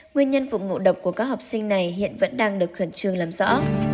nguyên nhân vụ ngộ độc của các học sinh này hiện vẫn đang được khởi trường làm rõ